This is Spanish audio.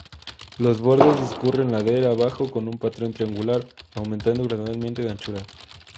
Los bordes discurren ladera abajo con un patrón triangular, aumentando gradualmente de anchura.